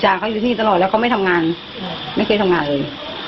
เขาอยู่ที่นี่ตลอดแล้วเขาไม่ทำงานไม่เคยทำงานเลย